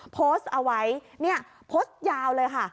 โพสต์เอาไว้เนี่ยโพสต์ยาวเลยค่ะ